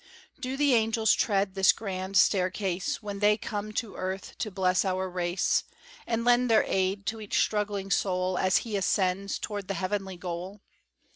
Do the angels tread this grand staircase, When they come to earth to bless our race, And lend their aid to each struggling soul As he ascends toward the heavenly goal?